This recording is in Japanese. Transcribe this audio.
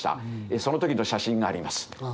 その時の写真があります。